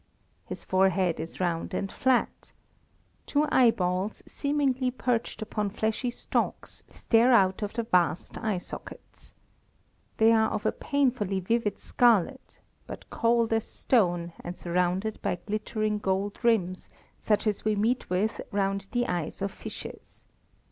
His forehead is round and flat. Two eyeballs, seemingly perched upon fleshy stalks, stare out of the vast eye sockets. They are of a painfully vivid scarlet, but cold as stone and surrounded by glittering gold rims such as we meet with round the eyes of fishes.